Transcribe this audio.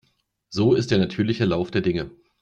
So ist der natürliche Lauf der Dinge.